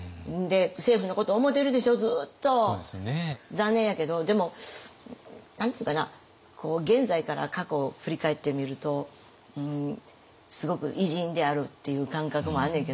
残念やけどでも何て言うかな現在から過去を振り返ってみるとすごく偉人であるっていう感覚もあんねんけど。